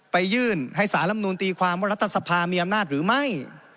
ไปยื่นให้สารมนุนตีความว่ารัฐธรรมนุนมีอำนาจหรือไม่